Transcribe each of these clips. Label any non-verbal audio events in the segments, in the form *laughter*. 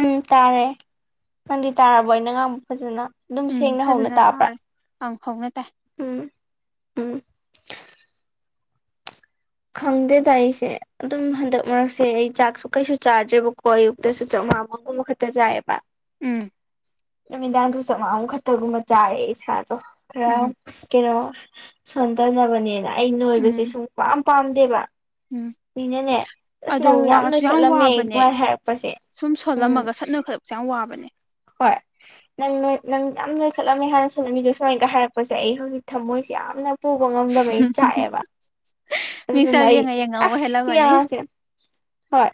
ꯎꯝ ꯇꯔꯦ ꯅꯪꯗꯤ ꯇꯔꯕꯣ ꯑꯩꯅ ꯉꯥꯡꯕ ꯐꯖꯅ ꯑꯗꯨꯝ ꯎꯝ ꯁꯦꯡꯅ ꯍꯧꯅ ꯐꯖꯅ ꯇꯥꯕ꯭ꯔꯥ ꯇꯔꯦ ꯑꯪ ꯍꯧꯅ ꯇꯥꯏ ꯎꯝ ꯎꯝ ꯈꯪꯗꯦꯗ ꯑꯩꯁꯦ ꯑꯗꯨꯝ ꯍꯟꯗꯛ ꯃꯔꯛꯁꯦ ꯑꯩ ꯆꯥꯛꯁꯨ ꯀꯩꯁꯨ ꯆꯥꯗ꯭ꯔꯦꯕꯀꯣ ꯑꯌꯨꯛꯇꯁꯨ ꯆꯥꯛ *unintelligible* ꯈꯛꯇ ꯆꯥꯏꯕ ꯎꯝ ꯅꯨꯃꯤꯗꯥꯡꯁꯨ *unintelligible* ꯈꯛꯇꯒꯨꯝꯕ ꯆꯥꯔꯦ ꯏꯁꯥꯗꯣ ꯈꯔ ꯎꯝ ꯑ ꯀꯩꯅꯣ ꯁꯣꯟꯇꯅꯕꯅꯦꯅ ꯑꯩ ꯅꯣꯏꯕꯁꯦ ꯎꯝ ꯁꯨꯡ ꯄꯥꯝ ꯄꯥꯝꯗꯦꯕ ꯎꯝ ꯃꯤꯅꯅꯦ ꯑꯁ ꯑꯗꯣ ꯅꯪ ꯋꯥꯁꯨ ꯌꯥꯝ ꯅꯣꯏꯈꯠꯂꯝꯃꯦ ꯋꯥꯕꯅꯦ ꯁꯨꯃꯥꯏꯅ ꯍꯥꯏꯔꯛꯄꯁꯦ ꯁꯨꯝ ꯎꯝ ꯁꯣꯜꯂꯝꯃꯒ ꯁꯠ ꯅꯣꯢ ꯈꯠ ꯆꯌꯥꯝ ꯋꯥꯕꯅꯦ ꯍꯣꯏ ꯅꯪ ꯅꯣꯢꯅꯪ ꯌꯥꯝ ꯅꯣꯏꯈꯠꯂꯝꯃꯦ ꯍꯥꯟꯅ ꯁꯂꯝꯃꯤꯗꯣ ꯁꯨꯃꯥꯏꯅꯒ ꯍꯥꯏꯔꯛꯄꯁꯦ ꯑꯩ ꯍꯧꯖꯤꯛ ꯊꯝꯃꯣꯏꯁꯦ ꯌꯥꯝꯅ ꯄꯨꯕ ꯉꯝꯗꯕꯩ ꯆꯥꯛꯑꯦꯕ ꯑꯗꯨꯅ ꯃꯤꯛꯆꯔ ꯑꯩ ꯌꯦꯡꯉ ꯌꯦꯡꯉ ꯑꯃꯨꯛ ꯑꯁ ꯍꯦꯜꯂꯝꯃꯅꯤ ꯌꯥꯁꯦ ꯍꯣꯏ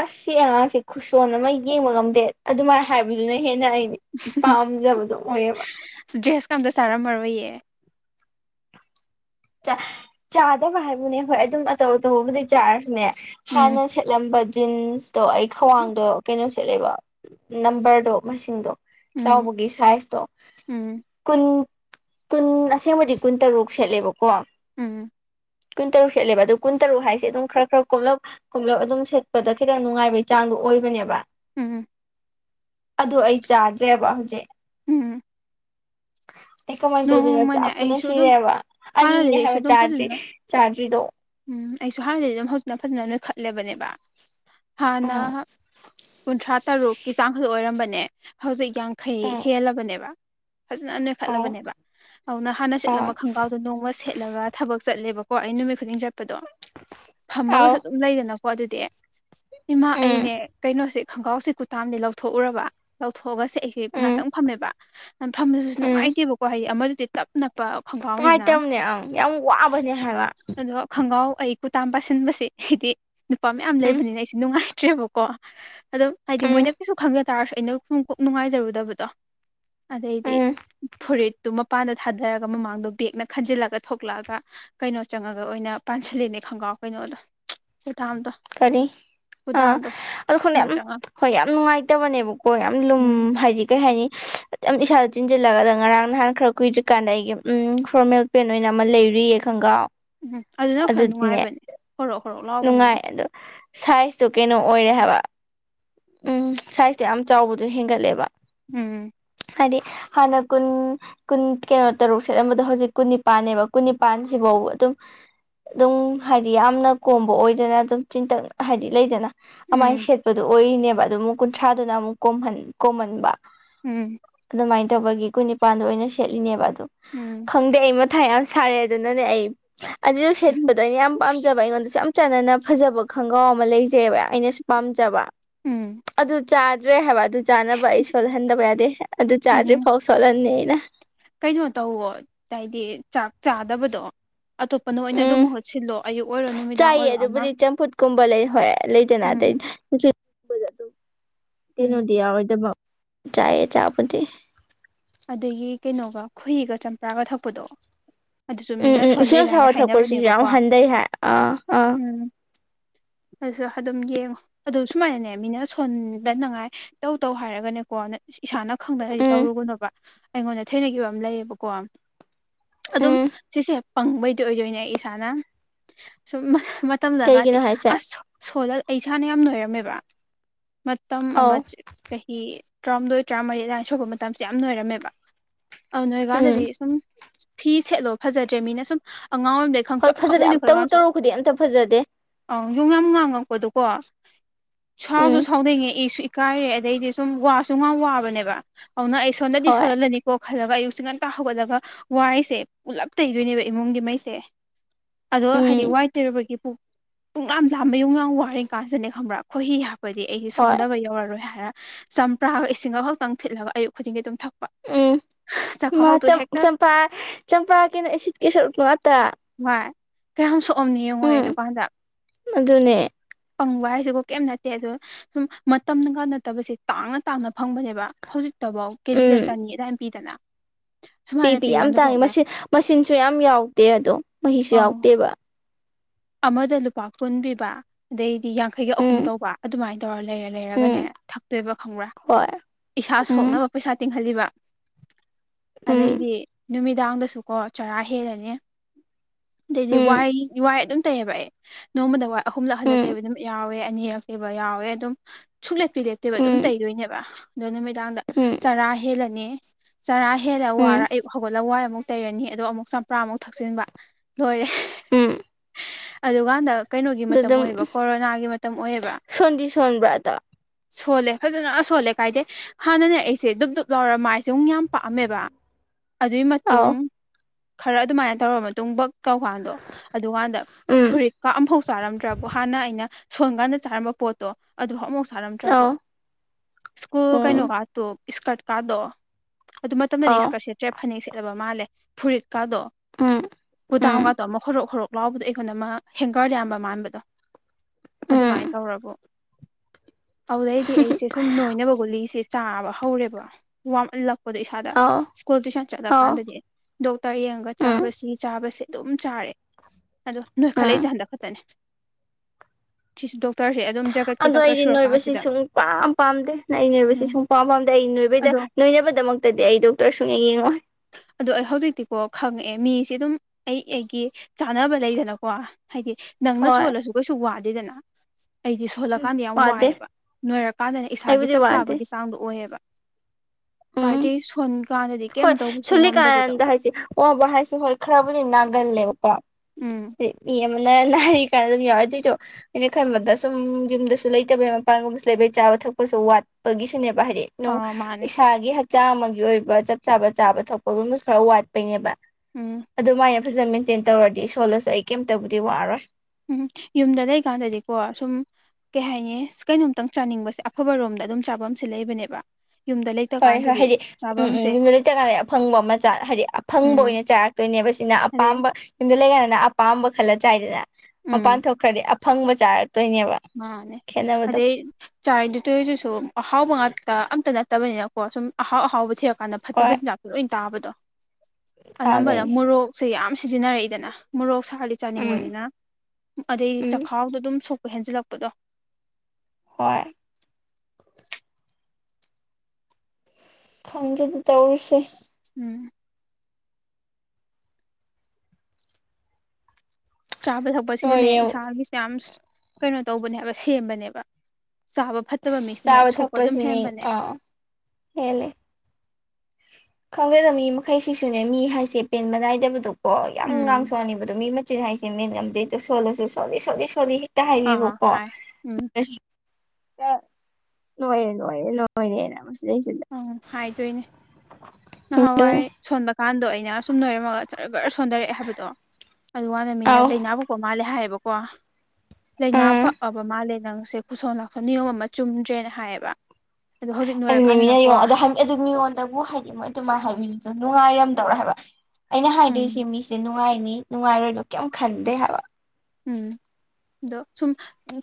ꯑꯁ ꯁꯤ ꯑꯉꯥꯡꯁꯦ ꯈꯨꯁꯣꯟ ꯑꯃ ꯌꯦꯡꯕ ꯉꯝꯗꯦ ꯑꯗꯨꯃꯥꯏꯅ ꯍꯥꯏ *unintelligible* ꯑꯩꯅ ꯄꯥꯝꯖꯕꯗꯣ ꯑꯣꯏꯌꯦꯕ ꯗ꯭ꯔꯦꯁꯀ ꯑꯝꯇ ꯆꯥꯔꯝꯃꯔꯣꯏꯌꯦ ꯆꯥ ꯆꯥꯗꯕ ꯍꯥꯏꯕꯨꯅꯦ ꯍꯣꯏ ꯑꯗꯨꯝ ꯑꯇꯧ ꯑꯇꯧꯕꯕꯨꯗꯤ ꯆꯥꯔꯁꯨꯅꯦ ꯎꯝ ꯍꯥꯟꯅ ꯁꯦꯠꯂꯝꯕ ꯖꯤꯟꯁꯇꯣ ꯑꯩ ꯈ꯭ꯋꯥꯡꯗꯣ ꯀꯩꯅꯣ ꯁꯦꯠꯂꯦꯕ ꯅꯝꯕꯔꯗꯣ ꯃꯁꯤꯡꯗꯣ ꯎꯝ ꯆꯥꯎꯕꯒꯤ ꯁꯥꯏꯖꯇꯣ ꯎꯝ ꯀꯨꯟ ꯀꯨꯟ ꯑꯁꯦꯡꯕꯗꯤ ꯀꯨꯟꯇꯔꯨꯛ ꯁꯦꯠꯂꯦꯕꯀꯣ ꯎꯝ ꯀꯨꯟꯇꯔꯨꯛ ꯁꯦꯠꯂꯦꯕ ꯑꯗꯨꯝ ꯀꯨꯟꯇꯔꯨꯛ ꯍꯥꯢꯁꯦ ꯈ꯭ꯔ ꯈ꯭ꯔ ꯀꯣꯝꯂꯞ ꯀꯣꯝꯂꯞ ꯑꯗꯨꯝ ꯁꯦꯠꯄꯗ ꯈꯤꯇꯪ ꯅꯨꯡꯉꯥꯏꯕꯩ ꯆꯥꯡꯗꯣ ꯑꯣꯏꯕꯅꯦꯕ ꯎꯝ ꯑꯗꯣ ꯑꯩ ꯆꯥꯗ꯭ꯔꯦꯕ ꯍꯧꯖꯤꯛ ꯎꯝ ꯑꯩ ꯀꯃꯥꯏꯟ ꯇꯧꯗꯣꯏꯅꯣ ꯅꯣꯡꯃꯅꯦ ꯆꯥꯛ ꯄꯅ ꯑꯩꯁꯨ ꯑꯗꯨꯝ ꯁꯤꯔꯦꯕ ꯑꯅꯤꯅꯦ ꯍꯥꯟꯅꯗꯒꯤ ꯑꯩꯁꯨ ꯍꯥꯏꯕ ꯑꯗꯨꯝ ꯆꯥꯗ꯭ꯔꯤ ꯐꯖꯅ ꯆꯥꯗ꯭ꯔꯤꯗꯣ ꯎꯝ ꯑꯩꯁꯨ ꯍꯥꯟꯅꯗꯤ ꯑꯗꯨꯝ ꯍꯧꯖꯤꯛꯅ ꯐꯖꯅ ꯅꯣꯏꯈꯠꯂꯦꯕꯅꯦꯕ ꯍꯥꯟꯅ ꯎꯝ ꯀꯨꯟꯊ꯭ꯔꯥ ꯇꯔꯨꯛ ꯒꯤ ꯆꯥꯡ ꯈꯜ ꯑꯣꯏꯔꯝꯕꯅꯦ ꯍꯧꯖꯤꯛ ꯌꯥꯡꯈꯩ ꯎꯝ ꯍꯦꯜꯂꯕꯅꯦꯕ ꯐꯖꯅ ꯑꯥꯎ ꯅꯣꯏꯈꯠꯂꯕꯅꯦꯕ꯫ ꯑꯧꯅ ꯍꯥꯟꯅ ꯑꯥ ꯁꯦꯠꯂꯝꯕ ꯈꯡꯒꯥꯎꯗ ꯅꯣꯡꯃ ꯁꯦꯠꯂꯒ ꯊꯕꯛ ꯆꯠꯂꯦꯕꯀꯣ ꯑꯩ ꯅꯨꯃꯤꯠ ꯈꯨꯗꯤꯡ ꯆꯠꯄꯗꯣ ꯑꯥꯎ ꯐꯝꯃꯒꯁꯨ ꯑꯗꯨꯝ ꯂꯩꯗꯅꯀꯣ ꯑꯗꯨꯗꯤ꯫ ꯏꯃꯥ ꯎꯝ ꯑꯩꯅꯦ ꯀꯩꯅꯣꯁꯦ ꯈꯡꯒꯥꯎꯁꯦ ꯊꯥꯝꯗꯤ ꯂꯧꯊꯣꯛꯎꯔꯕ ꯂꯧꯊꯣꯛꯑꯒꯁꯦ *unintelligible* ꯎꯝ ꯉꯍꯥꯛꯇꯪ ꯐꯝꯃꯦꯕ ꯑ ꯐꯝꯝꯕꯁꯨ ꯎꯝ ꯅꯨꯡꯉꯥꯏꯇꯦꯕꯀꯣ꯫ ꯍꯥꯏꯗꯤ ꯑꯃꯗꯨꯗꯤ ꯇꯞ ꯅꯞꯄ ꯈꯣꯡꯒ꯭ꯔꯥꯎꯅꯤꯅ ꯅꯨꯡꯉꯥꯏꯇꯕꯅꯦ ꯑꯪ ꯌꯥꯝ ꯋꯥꯕꯅꯦ ꯍꯥꯏꯕ ꯈꯣꯡꯒꯥꯎ ꯑꯩ ꯀꯨꯇꯥꯝ ꯄꯥꯁꯤꯟꯕꯁꯦ ꯍꯩꯗꯤ ꯅꯨꯄꯥ ꯃꯌꯥꯝ ꯎꯝ ꯂꯩꯕꯅꯤꯅ ꯑꯩꯁꯦ ꯅꯨꯡꯉꯥꯏꯇ꯭ꯔꯦꯕ ꯀꯣ ꯑꯗꯨꯝ ꯍꯥꯏꯗꯤ ꯎꯝ ꯃꯣꯏꯅ ꯀꯩꯁꯨ ꯈꯪꯒ ꯇꯥꯔꯁꯨ ꯑꯩꯅ ꯍꯨꯝ ꯀꯣꯛ ꯅꯨꯡꯉꯥꯏꯖꯔꯨꯗꯕꯗꯣ꯫ ꯑꯗꯩꯗꯤ꯫ ꯎꯝ ꯐꯨꯔꯤꯠꯇꯨ ꯃꯄꯥꯟꯗ ꯊꯥꯗꯔꯒ ꯃꯃꯥꯡꯗꯣ ꯕꯦꯛꯅ ꯈꯟꯖꯤꯜꯂꯒ ꯊꯣꯛꯂꯛꯑꯒ ꯀꯩꯅꯣ ꯆꯪꯉꯒ ꯑꯣꯏꯅ ꯄꯥꯟꯁꯤꯜꯂꯤꯅꯦ ꯈꯣꯡꯒꯥꯎ ꯀꯩꯅꯣꯗꯣ꯫ ꯀꯨꯗꯥꯝꯗꯣ ꯀꯔꯤ ꯑ ꯀꯨꯗꯥꯝꯗꯣ ꯑꯗꯨ ꯈꯪꯗꯦ ꯀꯩꯅꯣ ꯎꯝ꯫ ꯆꯪꯉꯒ ꯍꯣꯏ ꯌꯥꯝ ꯅꯨꯡꯉꯥꯏꯇꯕꯅꯦꯕꯀꯣ ꯌꯥꯝ ꯂꯨꯝ ꯎꯝ ꯍꯥꯏꯗꯤ ꯀꯩ ꯍꯥꯏꯅꯤ ꯁꯤꯁ ꯏꯁꯥꯗ ꯆꯤꯟꯁꯤꯜꯂꯒ ꯑꯗ ꯉꯔꯥꯡ ꯅꯍꯥꯟ ꯈꯔ ꯀꯨꯏꯗ꯭ꯔꯤꯀꯥꯟꯗ ꯑꯩꯒꯤ ꯎꯝ ꯐꯣꯔꯃꯦꯜ ꯄꯦꯟ ꯑꯣꯏꯅ ꯑꯃ ꯂꯩꯔꯨꯏꯌꯦ ꯈꯣꯡꯒꯥꯎ꯫ ꯎꯝ ꯑꯗꯨꯅ ꯈꯔ ꯅꯨꯡꯉꯥꯏꯕꯅꯦ ꯍꯣꯔꯛ ꯍꯣꯔꯣꯛ ꯂꯥꯎꯕꯅꯤꯅ꯫ ꯅꯨꯡꯉꯥꯏ ꯑꯗꯣ ꯁꯥꯏꯖꯇꯣ ꯀꯩꯅꯣ ꯑꯣꯏꯔꯦ ꯍꯥꯏꯕ꯫ ꯎꯝ ꯁꯥꯏꯖꯇ ꯌꯥꯝ ꯆꯥꯎꯕꯗꯣ ꯍꯦꯟꯒꯠꯂꯦꯕ꯫ ꯎꯝ꯫ ꯍꯥꯢꯗꯤ ꯍꯥꯟꯅ ꯀꯨꯟ꯫ ꯀꯨꯟ ꯀꯩꯅꯣ ꯇꯔꯨꯛ ꯁꯦꯠꯂꯝꯕꯗ ꯍꯧꯖꯤꯛ ꯀꯨꯟ ꯅꯤꯄꯥꯟꯅꯦꯕ ꯀꯨꯟ ꯅꯤꯄꯥꯟꯁꯤꯕꯧꯕ ꯗꯨꯝ꯫ ꯑꯗꯨꯡ ꯍꯥꯏꯗꯤ ꯌꯥꯝꯅ ꯀꯣꯝꯕ ꯑꯣꯏꯗꯦꯅ ꯑꯗꯨꯝ ꯆꯤꯟꯇꯛ ꯍꯥꯏꯗꯤ ꯂꯩꯗꯅ꯫ ꯑꯃꯥꯏꯟ ꯎꯝ ꯁꯦꯠꯄꯗꯣ ꯑꯣꯏꯔꯤꯅꯦꯕ ꯑꯗꯨ ꯃꯨꯛ ꯀꯨꯟꯊ꯭ꯔꯥꯗꯨꯅ ꯑꯃꯨꯛ ꯀꯣꯝꯍꯟ ꯀꯣꯝꯃꯟꯕ꯫ ꯎꯝ꯫ ꯑꯗꯨꯃꯥꯏꯟ ꯇꯧꯕꯒꯤ ꯀꯨꯟ ꯅꯤꯄꯥꯟꯗꯣ ꯑꯣꯏꯅ ꯁꯦꯠꯂꯤꯅꯦꯕ ꯑꯗꯨ꯫ ꯎꯝ꯫ ꯈꯪꯗꯦ ꯑꯩ ꯃꯊꯥ ꯌꯥꯝ ꯁꯥꯔꯦ ꯑꯗꯨꯅꯅꯦ ꯑꯩ ꯑꯗꯨ ꯁꯦꯠꯄꯗꯣ ꯑꯩꯅ ꯌꯥꯝ ꯄꯥꯝꯖꯕ ꯑꯩꯉꯣꯟꯗꯁꯨ ꯌꯥꯝ ꯆꯟꯅꯅ ꯐꯖꯕ ꯈꯣꯡꯒꯥꯎ ꯑꯃ ꯂꯩꯖꯩꯑꯕ ꯑꯩꯅꯁꯨ ꯄꯥꯝꯖꯕ꯫ ꯎꯝ꯫ ꯑꯗꯨ ꯆꯥꯗ꯭ꯔꯦ ꯍꯏꯕ ꯑꯗꯨ ꯆꯥꯅꯕ ꯑꯩ ꯁꯣꯜꯍꯟꯗꯕ ꯌꯥꯗꯦ ꯑꯗꯨ ꯎꯝ ꯆꯥꯗ꯭ꯔꯤꯐꯥꯎ ꯁꯣꯜꯍꯟꯅꯤ ꯑꯩꯅ꯫ ꯀꯩꯅꯣ ꯇꯧꯋꯣ ꯍꯥꯏꯗꯤ ꯆꯥꯛ ꯆꯥꯗꯕꯗꯣꯇꯣꯞ ꯀꯩꯅꯣ ꯑ ꯑꯣꯏꯅ ꯑꯗꯨꯝ ꯎꯝ ꯃꯍꯨꯠ ꯁꯤꯜꯂꯣ ꯑꯌꯨꯛ ꯑꯣꯏꯔꯣ ꯅꯨꯃꯤꯗꯥꯡ ꯑꯣꯏꯔꯣ ꯑꯃ ꯀꯨꯝꯕ ꯂꯩ ꯍꯣꯏ ꯂꯩꯗꯅ ꯎꯝ ꯑꯗꯩꯗ ꯑꯗꯨꯝ ꯎꯝ ꯀꯩꯅꯣꯗꯤ ꯌꯥꯎꯔꯣꯏꯗꯕ ꯆꯥꯌꯦ ꯆꯥꯄꯠꯇ ꯑꯗꯒꯤ ꯀꯩꯅꯣꯒ ꯈꯍꯤꯒ ꯆꯝꯄ꯭ꯔꯥꯒ ꯊꯛꯄꯗꯣ ꯑꯗꯨꯁꯨ ꯎꯝ ꯃꯤꯅ ꯎꯝ ꯏꯁꯤꯡ ꯁꯣꯟꯗꯩ ꯀꯥꯏꯅ ꯑꯁꯥꯕ ꯊꯛꯄꯁꯤꯁꯨ ꯌꯥꯝ ꯍꯥꯏꯅꯕꯅꯦꯕꯀꯣ ꯍꯟꯊꯩ ꯍꯥꯏ ꯑꯥ ꯑꯥ ꯎꯝ ꯑꯗꯨꯁꯨ ꯑꯗꯨꯝ ꯌꯦꯡꯉꯨ ꯑ ꯁꯨꯃꯥꯏꯅꯅꯦ ꯃꯤꯅ ꯁꯣꯟꯗꯅꯉꯥꯏ ꯇꯧ ꯇꯧ ꯍꯥꯏꯔꯒꯅꯦꯀꯣ ꯏꯁꯥꯅ ꯈꯪꯗ ꯍꯥꯏꯗꯤ ꯎꯝ ꯇꯧꯔꯨꯒꯅꯣꯕ ꯑꯩꯉꯣꯟꯗ ꯊꯦꯡꯅꯈꯤꯕ ꯑꯃ ꯂꯩꯌꯦꯕꯀꯣ ꯑꯗꯨꯝ ꯎꯝ ꯁꯤꯁꯦ ꯄꯪꯕꯩꯗꯤ ꯑꯣꯏꯗꯣꯏꯅꯦ ꯑꯩ ꯏꯁꯥꯅ ꯁꯨꯝ ꯃꯇꯝꯗ ꯉꯇꯦ ꯀꯩꯒꯤꯅꯣ ꯍꯥꯏꯁꯦ ꯑꯁ ꯁꯣꯜꯂ ꯑꯩ ꯏꯁꯥꯅ ꯌꯥꯝ ꯅꯣꯏꯔꯝꯃꯦꯕ ꯃꯇꯝ ꯑꯃ ꯑꯧ ꯆꯍꯤ ꯇꯔꯥꯍꯨꯝꯗꯣꯏ ꯇꯔꯥꯃꯔꯤ ꯑꯗꯨꯋꯥꯏ ꯁꯨꯄ ꯃꯇꯝꯁꯦ ꯌꯥꯝ ꯂꯣꯏꯔꯝꯃꯦꯕ ꯑꯗꯨ ꯎꯝ ꯅꯣꯏꯀꯥꯟꯗꯗꯤ ꯁꯨꯝ ꯐꯤ ꯁꯦꯠꯂꯣ ꯐꯖꯗ꯭ꯔꯦ ꯃꯤꯅ ꯁꯨꯝ ꯑꯉꯥꯡꯔꯝꯗ ꯍꯣꯏ ꯐꯖꯗꯦ ꯇꯔꯨꯛ ꯇꯔꯨꯛ ꯈꯨꯗꯤ ꯑꯝꯇ ꯐꯖꯗꯦ ꯑꯥꯎ ꯌꯨꯝ ꯌꯥꯝ ꯉꯥꯡꯉꯛꯄꯗꯣꯀꯣ ꯁꯥꯎꯁꯨ ꯎꯝ ꯁꯥꯎꯗꯩꯉꯦ ꯏꯁꯨ ꯀꯥꯏꯔꯦ ꯑꯗꯩꯗꯤ ꯁꯨꯝ ꯋꯥꯁꯨ ꯉ ꯋꯥꯕꯅꯦꯕ ꯑꯗꯨꯅ ꯑꯩ ꯁꯣꯝꯗꯗꯤ ꯍꯣꯏ ꯁꯣꯜꯍꯜꯂꯅꯤ ꯀꯣ ꯈꯜꯂꯒ ꯑꯌꯨꯛ ꯤꯡ ꯉꯟꯇꯥ ꯍꯧꯒꯠꯂꯒ ꯋꯥꯔꯤꯁꯦ ꯄꯨꯂꯞ ꯇꯩꯗꯣꯏꯅꯦꯕ ꯏꯃꯨꯡꯒꯤ ꯃꯩꯁꯦ ꯑꯗꯣ ꯍꯥꯏꯗꯤ ꯎꯝ ꯋꯥꯏ ꯇꯔꯕꯒꯤ ꯄꯨꯡ ꯄꯨꯡ ꯌꯥꯝ ꯂꯥꯝꯕꯌꯨꯡ ꯌꯥꯝꯥꯡ ꯋꯥꯔꯤ ꯀꯥꯟꯁꯤꯅꯦ ꯈꯪꯕ꯭ꯔꯥ ꯈꯣꯏꯍꯤ ꯍꯥꯞꯄꯗꯤ ꯑꯩꯁ ꯍꯣꯏ ꯁꯣꯟꯊꯕ ꯌꯧꯔꯔꯣꯏ ꯍꯥꯏꯔ ꯆꯝꯄ꯭ꯔꯥꯒ ꯏꯁꯤꯡ ꯑꯃꯐꯥꯎꯛꯇꯪ ꯊꯤꯠꯂꯕ ꯑꯌꯨꯛ ꯈꯨꯗꯤꯡꯒꯤ ꯑꯗꯨꯝ ꯊꯛꯄ ꯎꯝ ꯃꯥ ꯆꯥꯛꯈꯥꯎꯗꯣ ꯍꯦꯛꯇ ꯆꯝꯥ ꯆꯝꯄ꯭ꯔꯥ ꯀꯅ ꯏꯁꯤꯠꯀꯤꯦ ꯁ ꯎꯅꯣ ꯑꯠꯇ꯭ꯔ ꯚꯏ ꯀꯌꯥꯝ ꯁꯣꯛꯑꯝꯅꯤ ꯌꯦꯡꯉꯣꯑ ꯗꯨꯀꯥꯟꯗ ꯑꯗꯨꯅꯦ ꯐꯪꯕ ꯍꯥꯏꯁꯤꯀꯣ ꯀꯩꯝ ꯅꯠꯇꯦ ꯑꯗꯣ ꯁꯨꯝ ꯃꯇꯝꯀ ꯅꯠꯇꯕꯁꯦ ꯇꯥꯡꯅ ꯇꯥꯡꯅ ꯐꯪꯕꯅꯦꯕ ꯍꯧꯖꯤꯛꯇꯐꯥꯎ ꯀꯦꯖꯤꯗ ꯎꯝ ꯆꯅꯤ ꯑꯗꯨꯗꯥꯏꯝ ꯄꯤꯗꯅ ꯄꯤ ꯁꯨꯃꯥꯏꯅ ꯄꯤ ꯌꯥꯝ ꯇꯥꯡꯉꯤ ꯃ ꯄꯤꯀꯥꯟꯗꯐꯥꯎꯅꯦ ꯃꯆꯤꯟꯁꯨ ꯌꯥꯝ ꯌꯥꯎꯗꯦ ꯑꯗꯣ ꯃꯍꯤꯁꯨ ꯑꯪ ꯌꯥꯎꯗꯦꯕ ꯑꯃꯗ ꯂꯨꯄꯥ ꯀꯨꯟ ꯄꯤꯕ ꯑꯗꯩꯗꯤ ꯌꯥꯡꯈꯩꯒ ꯑꯍꯨꯝ ꯎꯝ ꯇꯧꯕ ꯑꯗꯨꯃꯥꯏꯅ ꯇꯧꯔ ꯂꯩꯔ ꯎꯝ ꯂꯩꯔꯒꯅꯦ ꯊꯛꯇꯣꯏꯕ ꯈꯪꯕ꯭ꯔꯥ ꯍꯣꯏ ꯏꯁꯥ ꯎꯝ ꯁꯣꯛꯅꯕ ꯄꯩꯁꯥ ꯇꯤꯡꯍꯜꯂꯤꯕ ꯎꯝ ꯑꯗꯩꯗꯤ ꯅꯨꯃꯤꯗꯥꯡꯗꯁꯨꯀꯣ ꯆꯔꯥ ꯍꯦꯜꯂꯅꯤ ꯑꯗꯩꯗꯤ ꯎꯝ ꯋꯥꯏ ꯇꯩꯑꯕ ꯑꯩ ꯅꯣꯡꯃꯗ ꯋꯥꯏ ꯑꯍꯨꯝꯂꯛ ꯍꯍꯜꯂꯒ ꯎꯝ ꯇꯩꯕ ꯑꯗꯨꯝ ꯌꯥꯎꯋꯦ ꯑꯅꯤꯔꯛꯛꯇꯩꯕ ꯌꯥꯎꯋꯦ ꯑꯗꯨꯝ ꯁꯨꯛꯂ ꯄꯤꯔꯦꯛꯇꯦꯕ ꯑꯗꯨꯝ ꯎꯝ ꯇꯩꯗꯣꯏꯅꯦꯕ ꯑꯗꯣ ꯅꯨꯃꯤꯗꯥꯡꯗ ꯎꯝ ꯆꯥꯔꯥ ꯍꯦꯜꯂꯅꯤ ꯆꯥꯔꯥ ꯍꯦꯜꯂ ꯋꯥꯔ ꯎꯝ ꯑꯛ ꯍꯧꯒꯠꯂ ꯋꯥꯏ ꯑꯃꯨꯛ ꯇꯩꯔꯅꯤ ꯑꯗꯣ ꯑꯃꯨꯛ ꯆꯝꯄ꯭ꯔꯥꯃꯨꯛ ꯊꯛꯆꯤꯟꯕ ꯂꯣꯏꯔꯦ ꯎꯝ ꯑꯗꯨꯀꯥꯟꯗ ꯀꯩꯅꯣꯒꯤ ꯑꯗꯨ ꯃꯇꯝ ꯑꯗꯨꯝ ꯑꯣꯏꯑꯕ ꯀꯣꯔꯣꯅꯥꯒꯤ ꯃꯇꯝ ꯑꯣꯏꯑꯕ ꯁꯣꯟꯗꯤ ꯁꯣꯟꯕ꯭ꯔꯥ ꯑꯗꯣ ꯁꯣꯜꯂꯦ ꯐꯖꯅ ꯁꯣꯜꯂꯦ ꯀꯥꯏꯗꯦ ꯍꯥꯟꯅꯅ ꯑꯩꯁꯦ ꯗꯨꯞ ꯗꯨꯞ ꯂꯥꯎꯔ ꯃꯥꯥꯏꯁꯦ ꯑꯃꯨꯛ ꯌꯥꯝ ꯄꯥꯛꯑꯝꯃꯦꯕ ꯑꯗꯨꯒꯤ ꯃꯇꯨꯡ ꯑꯥꯎ ꯈꯔ ꯑꯗꯨꯃꯥꯏꯅ ꯇꯧꯔꯕ ꯃꯇꯨꯡ ꯇꯧꯀꯥꯟꯗꯣ ꯑꯗꯨꯀꯥꯟꯗ ꯎꯝ ꯐꯨꯔꯤꯠꯀꯥ ꯑꯃꯐꯥꯎ ꯆꯥꯔꯝꯗ꯭ꯔꯕ ꯍꯥꯟꯅ ꯑꯩꯅ ꯁꯣꯟ ꯀꯥꯟꯗ ꯆꯥꯔꯝꯕ ꯄꯣꯠ ꯇꯣ ꯑꯗꯨꯐꯥꯎ ꯑꯃꯐꯧꯛ ꯆꯥꯔꯝꯗ꯭ꯔꯕꯣ ꯑꯥꯎ ꯁ꯭ꯀꯨꯜ ꯎꯝ ꯀꯩꯅꯣꯀꯥꯗꯣ ꯏꯁꯀꯔꯠꯀꯥꯗꯣ ꯑꯗꯨ ꯃꯇꯝꯗꯗꯤ ꯑꯥꯎ ꯏꯁꯀꯔꯠꯁꯦ ꯇ꯭ꯔꯦꯞ ꯐꯅꯦꯛ ꯁꯦꯠꯂꯕ ꯃꯥꯜꯂꯦ ꯐꯨꯔꯤꯠꯀꯥꯗꯣ ꯎꯝ ꯎꯝ ꯨꯗꯥꯡꯝꯒꯥꯗꯣ ꯑꯃꯨꯛ ꯍꯣꯔꯣꯛ ꯍꯣꯔꯣꯛ ꯂꯥꯎꯕꯗ ꯑꯩ ꯀꯩꯅꯣꯃ ꯍꯦꯡꯒꯔ ꯌꯥꯝꯕ ꯃꯥꯟꯕꯗꯣ ꯎꯝ ꯑꯗꯨꯃꯥꯏꯅ ꯇꯧꯔꯕ ꯑꯗꯨꯗꯩꯗꯤ ꯑꯩꯁꯦ ꯁꯨꯝ ꯅꯣꯏꯅꯕ ꯒꯨꯂꯤꯁꯦ ꯆꯥꯕ ꯍꯧꯔꯦꯕꯂ ꯑꯩꯈꯣ ꯏꯁꯥꯗ ꯑꯥꯎ ꯁ꯭ꯀꯨꯜ ꯇꯨꯏꯁꯟ ꯆꯠꯂ ꯑꯥꯎ ꯀꯥꯟꯗꯗꯤ ꯗꯣꯛꯇꯔ ꯌꯦꯡꯉꯒ ꯎꯝ ꯆꯥꯕꯁꯤ ꯆꯥꯕꯁꯤ ꯑꯗꯨꯝ ꯆꯥꯔꯦ ꯑꯗꯣ ꯅꯣꯏ ꯎꯝ ꯈꯜꯂꯛꯏꯁꯦ ꯍꯟꯗꯛ ꯈꯛꯇꯅꯦ ꯁꯤꯁꯨ ꯗꯣꯛꯇꯔꯁꯦ ꯑꯗꯨꯝ ꯖꯒꯠꯀꯤ ꯑꯗꯣ ꯗꯣꯛꯇꯔ ꯑꯩꯗꯤ ꯅꯣꯏꯕꯁꯤ ꯁꯨꯔꯀꯥꯟꯁꯤꯗ ꯁꯨꯡ ꯄꯥꯝ ꯄꯥꯝꯗꯦ ꯅ ꯑꯩ ꯅꯣꯏꯕꯁꯤ ꯎꯝ ꯁꯨꯡ ꯄꯥꯝ ꯄꯥꯝꯗ ꯑꯩ ꯅꯣꯏꯕꯩꯗ ꯑꯗꯣ ꯅꯣꯏꯅꯕꯗꯃꯛꯇꯗꯤ ꯑꯩ ꯗꯣꯛꯇꯔ ꯁꯨꯡꯉ ꯌꯦꯡꯉꯣ ꯑꯗ ꯑꯩ ꯍꯧꯖꯤꯛꯇꯤꯀꯣ ꯈꯪꯉꯛꯑꯦ ꯃꯤꯁꯤꯦ ꯑꯗꯨꯝ ꯑꯩ ꯑꯩꯒꯤ ꯆꯥꯅꯕ ꯂꯩꯗꯅꯀꯣ ꯍꯥꯏꯗꯤ ꯅꯪꯅ ꯍꯣꯏ ꯁꯣꯜꯂꯁꯨ ꯀꯩꯁꯨ ꯋꯥꯗꯦꯗꯅ ꯑꯩꯗꯤ ꯁꯣꯜꯂꯀꯥꯟꯗ ꯌꯥꯝ ꯋꯥꯗꯦ ꯋꯥꯏꯑꯦꯕ ꯅꯣꯏꯔꯀꯥꯟꯗꯅ ꯏꯁꯥꯒꯤ ꯑꯩꯕꯨꯗꯤ ꯆꯞ ꯋꯥꯗꯦ ꯆꯥꯕꯒꯤ ꯍꯛꯆꯥꯡꯗ ꯑꯣꯏꯌꯦꯕ ꯎꯝ ꯀꯥꯏꯗꯒꯤꯩ ꯁꯣꯟ ꯀꯥꯟꯗꯗꯤ ꯍꯣꯏ ꯀꯩꯝ ꯇꯧꯕꯁꯨ ꯉꯝꯗꯕꯗꯣ ꯁꯨꯂꯤꯀꯥꯅꯟꯗ ꯍꯥꯏꯁꯤꯦ ꯑꯣꯕ ꯍꯥꯏꯁꯤ ꯍꯣꯏ ꯈꯔꯕꯨꯗꯤ ꯅꯥꯒꯜꯂꯦꯕꯀꯣ ꯎꯝ ꯃꯤ ꯑꯃꯅ ꯅꯥꯔꯤ ꯀꯥꯟꯅ ꯑꯗꯨꯝ ꯌꯥꯎꯋꯦ ꯑꯗꯨꯣꯏꯗꯣ ꯑꯩꯅ ꯈꯟꯕꯗ ꯁꯨꯝ ꯌꯨꯝꯗꯁꯨ ꯂꯩꯇꯕꯩ ꯃꯄꯥꯟꯒꯨꯝꯕꯁꯨ ꯂꯩꯕꯩ ꯆꯥꯕ ꯊꯛꯄꯁꯨ ꯋꯥꯠꯄꯒꯤꯁꯨꯅꯦꯕ ꯍꯥꯏꯗꯤ ꯑꯥ ꯃꯥꯅꯦ ꯏꯁꯥꯒꯤ ꯍꯛꯆꯥꯡ ꯑꯃꯒꯤ ꯑꯣꯏꯕ ꯆꯞ ꯆꯥꯕ ꯆꯥꯕ ꯊꯛꯄꯒꯨꯝꯕꯁꯨ ꯈꯔ ꯋꯥꯠꯄꯩꯅꯦꯕ ꯎꯝ ꯑꯗꯨꯃꯥꯏꯅ ꯐꯖꯅ ꯃꯦꯟꯇꯦꯟ ꯇꯧꯔꯗꯤ ꯏꯁꯣꯜꯂꯁꯨ ꯑꯩ ꯀꯩꯝꯇꯕꯨꯗꯤ ꯋꯥꯔꯣꯏ ꯎꯝ ꯌꯨꯝꯗ ꯂꯩꯀꯥꯟꯗꯗꯤꯀꯣ ꯁꯨꯝ ꯀꯩ ꯍꯥꯏꯅꯤ ꯀꯩꯅꯣꯝꯇꯪ ꯆꯥꯅꯤꯡꯕꯁꯦ ꯑꯐꯕꯔꯣꯝꯗ ꯑꯗꯨꯝ ꯆꯥꯕꯁꯦ ꯂꯩꯕꯅꯦꯕ ꯌꯨꯝꯗ ꯍꯣꯏ ꯍꯣꯏ ꯂꯩꯇꯀꯥꯟꯗꯗꯤ ꯍꯥꯏꯗꯤ ꯎꯝ ꯎꯝ ꯆꯥꯐꯝꯁꯦ ꯌꯨꯝꯗ ꯂꯩꯇꯀꯥꯏꯗ ꯑꯐꯪꯕ ꯑꯃꯆꯥ ꯍꯥꯏꯗꯤ ꯑꯐꯪꯕ ꯎꯝ ꯑꯣꯏꯅ ꯆꯥꯔꯛꯇꯣꯏꯅꯦꯕ ꯁꯤꯅ ꯑꯗꯩ ꯑꯄꯥꯝꯕ ꯌꯨꯝꯗ ꯂꯩꯀꯥꯟꯗꯅ ꯑꯄꯥꯝꯕ ꯈꯜꯂ ꯆꯥꯏꯗꯅ ꯎꯝ ꯃꯄꯥꯟ ꯊꯣꯛ ꯈ꯭ꯔꯗꯤ ꯑꯐꯪꯕ ꯆꯥꯔꯛꯇꯣꯏꯅꯦꯕ ꯃꯥꯅꯦꯅꯦ ꯈꯦꯠꯅꯕꯗꯣ ꯑꯗꯦ ꯆꯥꯔꯤꯩꯗꯨ ꯇꯣꯏꯗꯨꯁꯨ ꯑꯍꯥꯎꯕ ꯉꯥꯛꯇ ꯑꯝꯇ ꯅꯠꯇꯕꯅꯤꯅꯀꯣ ꯁꯨꯝ ꯑꯍꯥꯎ ꯑꯍꯥꯎꯕ ꯊꯤꯔꯛꯀꯥꯟꯗ ꯐꯠꯇꯕ ꯍꯣꯏ ꯆꯤꯟꯖꯥꯛꯇ ꯂꯣꯏ ꯇꯥꯕꯗꯣ ꯑꯅꯝꯕꯅ ꯇꯥꯗꯣꯏꯅꯤ ꯃꯣꯔꯣꯛꯁꯦ ꯌꯥꯝ ꯁꯤꯖꯤꯟꯅꯔꯛꯏꯗꯅ ꯃꯣꯔꯣꯛ ꯁꯥꯜꯂꯤ ꯎꯝ ꯆꯥꯅꯤꯡꯕꯅꯤꯅ ꯑꯗꯩꯗꯤ ꯎꯝ ꯆꯈꯥꯎꯗꯣ ꯑꯗꯨꯝ ꯁꯣꯛꯄ ꯍꯦꯟꯖꯜꯂꯛꯄꯗꯣ ꯍꯣꯏ ꯈꯪꯗꯦꯗ ꯇꯧꯔꯤꯁꯦ ꯎꯝ ꯆꯥꯕ ꯊꯛꯄꯁꯤꯅꯅꯦ ꯂꯣꯏꯔꯦ ꯏꯁꯥꯒꯤꯁꯦ ꯌꯥꯝ ꯀꯩꯅꯣ ꯇꯧꯕꯅꯦꯕ ꯁꯦꯝꯕꯅꯦꯕ ꯆꯥꯕ ꯐꯠꯇꯕ ꯃꯤꯁꯤꯅꯦ ꯆꯥꯕ ꯁꯣꯛꯄ ꯑꯗꯨꯝ ꯍꯦꯟꯕꯅꯦ ꯑꯦꯦꯜꯂ ꯈꯪꯒꯦꯗ ꯃꯤ ꯃꯈꯩ ꯁꯤꯁꯨꯅꯦ ꯃꯤ ꯍꯥꯏꯁꯦ ꯄꯦꯟꯕ ꯅꯥꯏꯗꯕꯗꯣꯀꯣ ꯌꯥꯝ ꯉꯥꯡ ꯎꯝ ꯁꯣꯛꯅꯤꯕꯗꯣ ꯃꯤ ꯁꯤꯤ ꯍꯥꯏꯁꯦ ꯃꯤ ꯉꯝꯗꯦꯗ ꯁꯣꯜꯂꯁꯨ ꯁꯣꯠꯜꯂꯤ ꯁꯣꯠꯜꯂꯤ ꯁꯣꯜꯂꯤ ꯍꯦꯛꯇ ꯑꯥ ꯍꯥꯏꯕꯤꯕꯀꯣ ꯍꯥꯏ ꯎꯝ ꯅꯅꯨꯡꯣꯏꯔꯦ ꯅꯨꯡꯣꯏꯔꯦ ꯅꯣꯏꯔꯦꯅ ꯃꯁꯤꯁꯤ ꯂꯩ ꯎꯝ ꯍꯥꯏꯗꯣꯏꯅꯦ ꯑ ꯅꯍꯥꯟꯋꯥꯏ ꯁꯣꯟꯕ ꯀꯥꯟꯗꯣ ꯑꯩꯅ ꯁꯨꯝ ꯅꯣꯏꯔꯝꯃꯒ ꯆꯔ ꯈꯔ ꯁꯣꯟꯊꯔꯛꯑꯦ ꯍꯥꯏꯕꯗꯣ ꯑꯗꯨ ꯋꯥꯥꯟꯗ ꯃꯤꯅ ꯑꯥꯎ ꯂꯥꯏꯅꯥꯕꯨꯕ ꯃꯥꯜꯂꯦ ꯍꯥꯏꯌꯦꯕꯀꯣ ꯂꯥꯏꯅꯥ ꯎꯝ ꯄꯛꯑꯕ ꯃꯥꯜꯂꯦ ꯅꯪꯁꯦ ꯈꯨꯁꯣꯟ ꯂꯥꯛꯁꯣꯟ ꯅꯤꯌꯣꯝ ꯑꯃ ꯆꯨꯝꯗ꯭ꯔꯦꯅ ꯍꯥꯏꯌꯦꯕ ꯑꯗꯣ ꯍꯧꯖꯤꯛ ꯑꯗꯨꯅꯦ ꯃꯤꯅ ꯅꯣꯏꯔꯀꯥꯟꯗꯅꯀꯣ ꯌꯦꯡꯉꯣ ꯑꯗꯣ ꯑꯗꯨ ꯃꯤꯉꯣꯟꯗꯕꯨ ꯍꯥꯏꯗꯤ ꯃꯣꯏ ꯑꯗꯨꯃꯥꯏꯅ ꯍꯥꯏꯕꯤꯕꯗ ꯅꯨꯡꯉꯥꯏꯔꯝꯗꯧꯔ ꯍꯥꯏꯕ ꯑꯩꯅ ꯎꯝ ꯍꯥꯏꯗꯣꯏꯁꯦ ꯃꯤ ꯁꯤ ꯅꯨꯡꯉꯥꯏꯅꯤ ꯅꯨꯡꯉꯥꯏꯔꯣꯏꯗꯣ ꯀꯩꯝ ꯈꯟꯗꯦ ꯍꯥꯏꯕ ꯎꯝ ꯑꯗꯣ ꯁꯨꯝ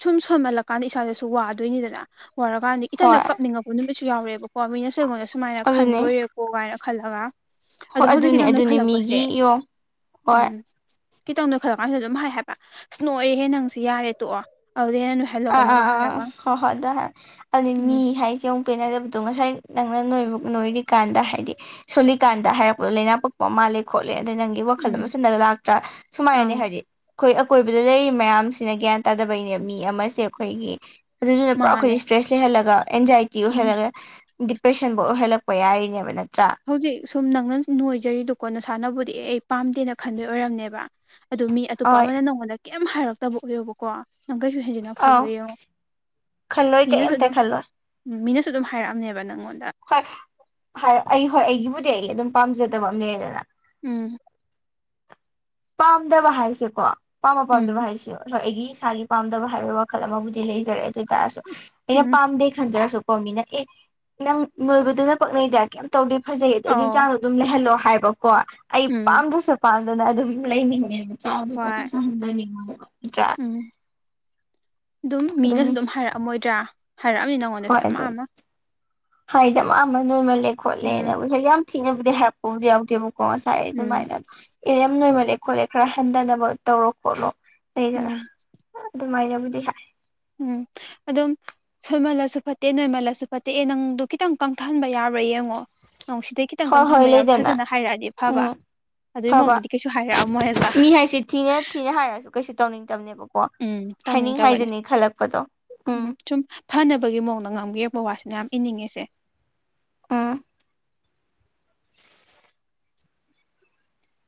ꯁꯨꯝ ꯁꯣꯟꯃꯜꯂꯀꯥꯟꯗ ꯏꯁꯥꯗꯁꯨ ꯋꯥꯗꯣꯏꯅꯤꯗꯅ ꯑꯣꯏꯔꯀꯥꯟꯗꯤ ꯏꯇꯟꯇꯗ ꯍꯣꯏ ꯀꯞꯅꯤꯡꯉꯛꯄ ꯅꯨꯃꯤꯠꯁꯨ ꯌꯥꯎꯔꯛꯑꯦꯕꯀꯣ ꯃꯤꯅ ꯑꯩꯉꯣꯟꯗ ꯁꯨꯃꯥꯏꯅ ꯈꯟꯕ ꯑꯗꯨꯅꯦ ꯑꯣꯏꯔꯦꯕ ꯀꯣ ꯀꯥꯏꯅ ꯈꯜꯂꯒ ꯍꯣꯏ ꯑꯗꯣ ꯑꯗꯨꯅꯦ ꯍꯧꯖꯤꯛꯀꯤꯗꯪꯗ ꯑꯗꯨꯅꯦ ꯈꯜꯂꯛꯄꯁꯦ ꯃꯤꯒꯤ ꯌꯣ ꯍꯣꯏ ꯎꯝ ꯈꯤꯇꯪꯗꯣ ꯈꯜꯂ ꯀꯥꯟꯗ ꯑꯗꯨꯝ ꯍꯥꯏꯕ ꯏꯁꯅꯣꯛ ꯑꯩ ꯍꯦ ꯅꯪꯁꯤ ꯌꯥꯔꯦ ꯇꯣꯛꯑꯣ ꯑꯗꯨꯩ ꯍꯦꯟꯅ ꯑꯥ ꯅꯣꯏꯍꯜꯂꯒꯅꯨꯒ ꯑꯥ ꯍꯥꯏꯔꯒ ꯍꯣꯏ ꯍꯣꯏ ꯑꯗꯨꯏ ꯑꯗꯨꯗꯤ ꯃꯤ ꯎꯝ ꯍꯥꯏꯁꯦ ꯑꯃꯨ ꯄꯦꯟꯅꯗꯕꯗꯣ ꯉꯁꯥꯏ ꯅꯪꯅ ꯅꯣꯏ ꯅꯣꯏꯔꯤꯀꯥꯟꯗ ꯍꯥꯏꯗꯤ ꯁꯣꯂꯤꯀꯥꯟꯗ ꯍꯥꯏꯔꯛꯄꯗꯣ ꯂꯥꯏꯅꯥ ꯄꯛꯄ ꯃꯥꯜꯂꯦ ꯈꯣꯠꯂꯦ ꯑꯗꯩ ꯅꯪꯒꯤ ꯋꯥꯈꯜ ꯎꯝ ꯑꯃ ꯁꯤꯟꯂꯒ ꯂꯥꯛꯇ꯭ꯔꯥ ꯑꯪ ꯁꯨꯃꯥꯏꯅꯅꯦ ꯍꯥꯏꯗꯤ ꯑꯩꯈꯣꯏ ꯑꯀꯣꯏꯕꯗ ꯂꯩꯔꯤꯕ ꯃꯌꯥꯝꯁꯤꯅ ꯒ꯭ꯌꯥꯟ ꯇꯥꯗꯕꯩꯅꯦ ꯃꯤ ꯑꯃꯁꯦ ꯑꯩꯈꯣꯏꯒꯤ ꯑꯗꯨꯗꯨꯅ ꯄꯨꯔꯥ ꯑꯩꯈꯣꯏ ꯃꯥꯅꯦ ꯏꯁꯇ꯭ꯔꯦꯁ ꯂꯩꯍꯜꯂꯒ ꯑꯦꯟꯖꯥꯏꯇꯤ ꯎꯝ ꯑꯣꯏꯍꯜꯂꯒ ꯗꯤꯄ꯭ꯔꯦꯁꯟꯕꯨ ꯑꯣꯏꯍꯜꯂꯛꯄ ꯌꯥꯔꯤꯅꯦꯕ ꯅꯠꯇ꯭ꯔꯥ ꯍꯧꯖꯤꯛ ꯁꯨꯝ ꯅꯪꯅ ꯅꯣꯏꯖꯔꯤꯗꯨꯣ ꯀꯣꯟꯅ ꯁꯥꯟꯅꯕꯨꯗꯤ ꯑꯩ ꯄꯥꯝꯗꯦꯅ ꯈꯟꯕ ꯑꯣꯏꯔꯝꯅꯦꯕ ꯑꯗꯨ ꯃꯤ ꯑꯇꯣꯞꯄ ꯍꯣꯏ ꯑꯃꯅ ꯅꯪꯉꯣꯟꯗ ꯀꯩꯝ ꯍꯥꯏꯔꯛꯇꯕ ꯑꯣꯏꯌꯣꯕꯀꯣ ꯅꯪ ꯀꯩꯁꯨ ꯍꯦꯟꯖꯤꯟꯅ ꯑꯥꯎ ꯈꯜꯂꯣꯏ ꯌꯦꯡꯉꯣ ꯈꯜꯂꯣꯏ ꯃꯤꯅꯁꯨ ꯀꯔꯤꯝꯇ ꯑꯗꯨꯝ ꯈꯜꯂꯣꯏ ꯎꯝ ꯃꯤꯅꯁꯨ ꯑꯗꯨꯝ ꯍꯥꯏꯔꯛꯑꯝꯅꯤꯕ ꯅꯪꯉꯣꯟꯗ ꯍꯣꯏ ꯍ ꯑꯩ ꯍꯣꯏ ꯑꯩꯒꯤꯕꯨꯗꯤ ꯑꯩ ꯑꯗꯨꯝ ꯄꯥꯝꯖꯗꯕ ꯑꯃ ꯂꯩꯔꯦꯗꯅ ꯎꯝ ꯄꯥꯝꯗꯕ ꯍꯥꯏꯁꯦꯀꯣ ꯄꯥꯝꯕ ꯄꯥꯝꯗꯕ ꯎꯝ ꯍꯥꯏꯁꯤꯔꯣ ꯍꯣꯏ ꯑꯩꯒꯤ ꯏꯁꯥꯒꯤ ꯄꯥꯝꯗꯕ ꯍꯥꯏꯕꯒꯤ ꯋꯥꯈꯜ ꯑꯃꯕꯨꯗꯤ ꯂꯩꯖꯔꯦ ꯑꯗꯨ ꯑꯣꯏ ꯇꯔꯁꯨ ꯑꯩꯅ ꯎꯝ ꯄꯥꯝꯗꯦ ꯈꯟꯖꯔꯁꯨ ꯄꯣꯃꯤꯅ ꯑꯦ ꯅꯪ ꯅꯣꯏꯕꯗꯨꯅ ꯄꯛꯅꯩꯗ ꯀꯩꯝ ꯇꯧꯗꯦ ꯐꯖꯩ ꯑꯗꯨ ꯑꯗꯨꯏ ꯑꯧ ꯆꯥꯡ ꯑꯗꯨꯝ ꯂꯩꯍꯜꯂꯣ ꯍꯥꯏꯕꯀꯣ ꯑꯩ ꯎꯝ ꯄꯥꯝꯗ꯭ꯔꯁꯨ ꯄꯥꯝꯗꯅ ꯑꯗꯨꯝ ꯂꯩꯅꯤꯡꯉꯦ ꯆꯥꯦ ꯍꯣꯏ ꯇꯩꯁꯗꯅꯤ ꯆꯥ ꯎꯝ ꯑꯗꯨꯅꯤ ꯑꯃꯣꯏꯗ꯭ꯔꯥ ꯍꯥꯏꯔꯛꯑꯝꯅꯤ ꯅꯉꯣꯟꯗꯁꯨ ꯗꯥꯃ ꯑꯃ ꯍꯥꯏꯗ ꯗꯥꯃ ꯑꯃ ꯅꯣꯏꯃꯜꯂꯦ ꯎꯝ ꯈꯣꯠꯂꯦꯅꯕꯨ ꯍꯣꯏ ꯌꯥꯝ ꯊꯤꯅꯕꯨꯗꯤ ꯍꯥꯏꯔꯛꯄꯕꯨꯗꯤ ꯌꯥꯎꯗꯦꯕ ꯀꯣ ꯉꯁꯥꯏ ꯎꯝ ꯑꯗꯨꯃꯥꯏꯅ ꯏꯔꯦꯝ ꯅꯣꯏꯃꯜꯂꯦ ꯈꯣꯠꯂꯦ ꯈꯔ ꯍꯟꯊꯅꯕ ꯇꯧꯔꯣ ꯈꯣꯠꯂꯣ ꯑꯩꯅ ꯎꯝ ꯑꯗꯨꯃꯥꯏꯅꯕꯨꯗꯤ ꯍꯥꯏ ꯎꯝ ꯑꯗꯨꯝ ꯁꯣꯏꯃꯜꯂꯁꯨ ꯐꯠꯇꯦ ꯅꯣꯏꯃꯜꯂꯁꯨ ꯐꯠꯇꯦ ꯑꯦ ꯅꯪꯗꯨ ꯈꯤꯇꯪ ꯀꯪꯊꯍꯟꯕ ꯌꯥꯕ꯭ꯔꯥ ꯌꯦꯡꯉꯣ ꯅꯪ ꯁꯤꯗꯒꯤ ꯈꯤꯇꯪ ꯍꯣꯏ ꯍꯣꯏ ꯀꯪꯊꯍꯟꯕ ꯌꯥꯝ ꯂꯩꯗꯅ ꯐꯖꯅ ꯍꯥꯏꯔꯛꯑꯗꯤ ꯐꯕ ꯎꯝ ꯑꯗꯨꯏ ꯐꯕ ꯃꯑꯣꯡꯗꯗꯤ ꯀꯩꯁꯨ ꯍꯥꯏꯔꯛꯑꯝꯃꯣꯏꯕ ꯃꯤ ꯍꯥꯏꯁꯦ ꯊꯤꯅ ꯊꯤꯅ ꯍꯥꯏꯔꯁꯨ ꯀꯩꯁꯨ ꯇꯧꯅꯤꯡꯗꯕꯅꯦꯕꯀꯣ ꯎꯝ ꯍꯥꯏꯅꯤꯡ ꯇꯧꯅꯤꯡꯗꯕꯅꯦ ꯍꯥꯏꯖꯅꯤ ꯈꯜꯂꯛꯄꯗꯣ ꯎꯝ ꯐꯅꯕꯒꯤ ꯃꯑꯣꯡꯗ ꯉꯝꯕꯤꯔꯛꯄ ꯋꯥꯁꯤꯅꯦ ꯌꯥꯝ ꯏꯅꯤꯡꯉꯤꯁꯦ ꯎꯝ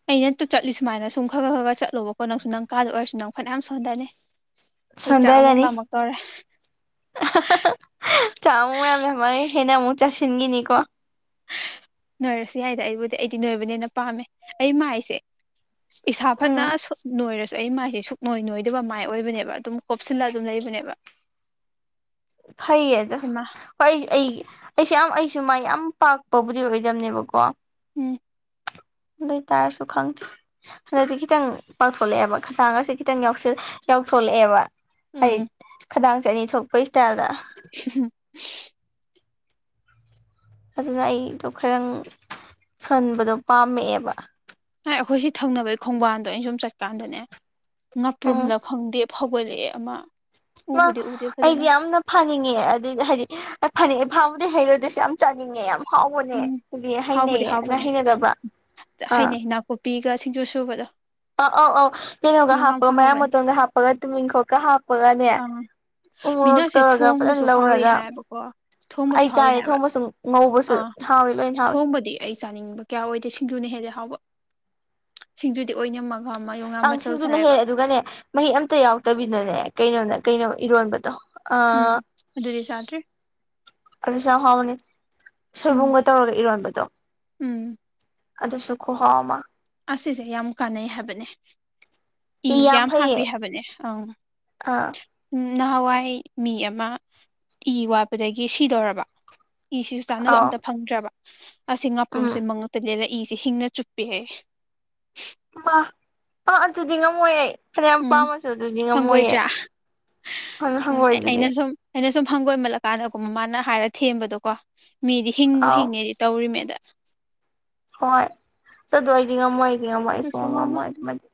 ꯑꯩꯅ ꯇꯨ ꯆꯠꯂꯤ ꯁꯨꯃꯥꯏꯅ ꯁꯨꯝ ꯈꯔ ꯈꯔ ꯆꯠꯂꯣꯕꯀꯣ ꯅꯪ ꯀꯥꯗ ꯑꯣꯏꯔꯁꯨ ꯅꯪ ꯐꯅꯌꯥꯝ ꯁꯣꯟꯊꯅꯤ ꯑꯩ ꯆꯥꯛ ꯑꯃꯨꯛ ꯁꯗ꯭ꯌꯥꯔꯅꯤ ꯂꯥꯝꯃꯛ ꯇꯧꯔꯦ ꯆꯥꯃꯨ ꯌꯥꯝꯃꯦꯃ ꯍꯦꯟꯅ ꯑꯃꯨꯛ ꯆꯥꯁꯤꯟꯈꯤꯅꯤꯀꯣ ꯅꯣꯏꯔꯁꯨ ꯌꯥꯏꯗ ꯑꯩꯕꯨꯗꯤ ꯑꯩꯗꯤ ꯅꯣꯏꯕꯅꯦꯅ ꯄꯥꯝꯃꯦ ꯑꯩ ꯃꯥꯏꯁꯦ ꯏꯁꯥ ꯐꯅ ꯎꯝ ꯅꯣꯏꯔꯁꯨ ꯑꯩ ꯃꯥꯏꯁꯦ ꯁꯨꯛ ꯅꯣꯏ ꯅꯣꯏꯗꯕ ꯃꯥꯏ ꯑꯣꯏꯕꯅꯦꯕ ꯑꯗꯨꯝ ꯀꯣꯞꯁꯤꯜꯂ ꯑꯗꯨꯝ ꯂꯩꯕꯅꯦꯕ *unintelligible* ꯐꯩꯌꯦꯗꯥ ꯍꯩꯃꯥ ꯍꯣꯏ ꯑꯩ ꯑꯩ ꯑꯩꯁꯨꯦ ꯌꯥꯝ ꯑꯩꯁꯨ ꯃꯥꯏ ꯌꯥꯝ ꯄꯥꯛꯄꯕꯨꯗꯤ ꯑꯣꯏꯗꯝꯅꯦꯕꯀꯣ ꯎꯝ ꯑꯗꯨ ꯑꯣꯏꯇꯥꯥꯔꯁꯨ ꯈꯪꯗꯦ ꯍꯟꯗꯛꯇꯤ ꯈꯤꯇꯪ ꯄꯥꯛꯊꯣꯛꯂꯛꯑꯦꯕ ꯈꯟꯗꯥꯡꯒꯁꯦ ꯈꯤꯇꯪ ꯌꯥꯎꯊꯣꯛꯂꯛꯑꯦꯕ ꯍꯥꯏ ꯎꯝ ꯈꯗꯥꯡꯁꯦ ꯑꯅꯤ ꯊꯣꯛꯄ ꯏꯁꯇꯥꯏꯜꯗ *unintelligible* ꯑꯗꯨꯅ ꯑꯩꯗꯣ ꯈꯔꯪ ꯁꯣꯟꯕꯗꯣ ꯄꯥꯝꯃꯛꯑꯦꯕ ꯅꯥꯏ ꯑꯩꯈꯣꯏ ꯁꯤ ꯊꯪꯅꯕꯒꯤ ꯈꯣꯡꯕꯥꯟꯗꯣ ꯑꯩꯅ ꯁꯨꯝ ꯆꯠꯀꯥꯟꯗꯅꯦ ꯎꯝ ꯉꯥꯄ꯭ꯔꯨꯝꯂ ꯈꯪꯗꯦ ꯐꯧꯒꯠꯂꯛꯦ ꯑꯃ ꯃꯥ ꯎꯕꯨꯗꯤ ꯎꯗꯦ ꯐꯖꯅ ꯑꯩꯗꯤ ꯌꯥꯝꯅ ꯐꯅꯤꯡꯉꯦ ꯑꯗꯨꯏ ꯍꯥꯏꯗꯤ ꯐꯅꯤꯡꯉꯦ ꯐꯥꯕꯨꯗꯤ ꯍꯩꯔꯣꯏꯗꯣꯏꯁꯨ ꯌꯥꯝ ꯆꯥꯅꯤꯡꯉꯦ ꯌꯥꯝ ꯐꯥꯎꯕꯅꯦ ꯎꯝ ꯍꯥꯏꯗꯤ ꯍꯥꯎꯕꯨꯗꯤ ꯍꯩꯅꯩꯌꯦ ꯅꯪ ꯍꯥꯎꯕꯅꯦ ꯍꯩꯅꯗꯕ꯭ꯔꯥ ꯑꯥ ꯄꯤꯒ ꯁꯤꯡꯖꯨ ꯁꯨꯕꯗꯣ ꯑꯧ ꯑꯧ ꯑꯧ ꯀꯩꯅꯣꯒ ꯌꯣꯡꯌꯥꯝ ꯍꯥꯞꯄꯒ ꯃꯌꯥꯥꯡ ꯍꯥꯎꯕꯅꯦ ꯃꯇꯣꯟꯒ ꯍꯥꯞꯄꯒ ꯇꯨꯃꯤꯟꯈꯣꯛꯀ ꯍꯥꯞꯄꯒꯅꯦ ꯑꯪ ꯎꯝ ꯃꯣꯔꯣꯛ ꯃꯤꯅꯁꯦ ꯇꯧꯔꯒ ꯊꯣꯡꯕꯁꯨ ꯐꯥꯖꯅ ꯍꯥꯎꯋꯦ ꯂꯧꯔꯒ ꯍꯥꯏꯌꯦꯕꯀꯣ ꯑꯩ ꯊꯣꯡꯕꯁꯨ ꯍꯥꯎꯋꯦ ꯆꯥꯔꯦ ꯍꯥꯏꯕ ꯊꯣꯡꯕꯁꯨ ꯉꯧꯕꯁꯨ ꯑꯥ ꯍꯥꯎꯋꯦ ꯂꯣꯏꯅ ꯍꯥꯎꯋꯦ ꯊꯣꯡꯕꯗꯤ ꯑꯩ ꯆꯥꯅꯤꯡꯕ ꯀꯌꯥ ꯑꯣꯏꯗꯦ ꯁꯤꯡꯖꯨꯅ ꯍꯦꯜꯂꯦ ꯍꯥꯎꯕ ꯁꯤꯡꯖꯨꯗꯤ ꯑꯣꯏꯅꯝꯃꯒ ꯑꯃ ꯌꯣꯡꯌꯥꯝ ꯃꯆꯜ ꯆꯥꯏꯌꯦꯕ ꯑꯗꯨꯒꯥꯅꯦ ꯃꯍꯤ ꯑꯝꯇ ꯌꯥꯎꯗꯕꯤꯗꯅꯦ ꯀꯩꯅꯣꯅ ꯀꯩꯅꯣ ꯏꯔꯣꯟꯕꯗꯣ ꯑ ꯎꯝ ꯑꯗꯨꯗꯤ ꯆꯥꯗ꯭ꯔꯤ ꯑꯗꯨꯁꯨ ꯌꯥꯝ ꯍꯥꯎꯕꯅꯤ ꯎꯝ ꯁꯣꯏꯕꯨꯝꯒ ꯇꯧꯔꯒ ꯏꯔꯣꯟꯕꯗꯣ ꯎꯝ ꯑꯗꯨꯁꯨꯨ ꯈꯨꯍꯧꯃ ꯑꯁꯤꯁꯦ ꯌꯥꯝ ꯀꯥꯟꯅꯩ ꯍꯥꯏꯕꯅꯦ ꯏ ꯌꯥꯝ ꯍꯥꯞꯄꯤ ꯍꯥꯏꯕꯅꯦ ꯑꯪ ꯑꯥ ꯎꯝ ꯅꯍꯥꯟꯋꯥꯏ ꯃꯤ ꯑꯃ ꯏꯤ ꯋꯥꯠꯄꯗꯒꯤ ꯁꯤꯗꯧꯔꯕ ꯏꯁꯤ ꯁꯨ ꯆꯥꯟꯅꯕ ꯑꯥꯎ ꯑꯝꯇ ꯐꯪꯗ꯭ꯔꯕ ꯑꯁꯤ ꯎꯝ ꯉꯥꯄ꯭ꯔꯨꯝꯁꯦ ꯃꯉꯛꯇꯅꯦꯂ ꯏꯁꯤꯦ ꯍꯤꯡꯅ ꯆꯨꯞꯄꯦ ꯍꯥꯏꯌꯦ ꯃꯥ ꯑꯥ ꯑꯗꯨꯗꯤ ꯉꯝꯃꯣꯏ ꯑꯩ ꯐꯅ ꯌꯥꯝ ꯎꯝ ꯄꯥꯝꯃꯁꯨ ꯑꯗꯨꯗꯤ ꯉꯝꯃꯣꯏꯌꯦ ꯍꯪꯒꯣꯏꯗ꯭ꯔꯥ ꯐꯅ ꯎꯝ ꯍꯪꯒꯣꯏ ꯑꯗꯨꯗꯤ ꯑꯩꯅ ꯁꯨꯝ ꯑꯩꯅ ꯁꯨꯝ ꯍꯪꯒꯣꯏꯃꯜꯂꯀꯥꯟꯗꯀꯣ ꯃꯃꯥꯅ ꯍꯥꯏꯔ ꯊꯦꯝꯕꯗꯣꯀꯣ ꯃꯤꯗꯤ ꯍꯤꯡꯕꯨ ꯑꯥꯎ ꯍꯤꯡꯉꯦꯗꯤ ꯇꯧꯔꯤꯃꯦꯗ ꯍꯣꯏ ꯆꯠꯂꯣ ꯑꯩꯗꯤ ꯉꯝꯃꯣꯏ ꯑꯩꯗꯤ ꯉꯝꯃꯣ ꯑꯩꯁꯨ ꯀꯩꯁꯨ ꯉꯝꯃꯣꯏ ꯉꯝꯃꯝꯃꯣꯏ ꯑꯗꯨꯃꯗꯤ